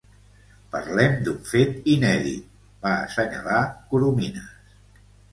Parlem d’un fet inèdit –va assenyalar Corominas–.